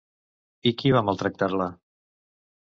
I qui va maltractar-la?